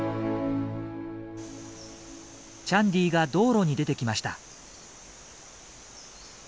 チャンディーが道路に出てきました。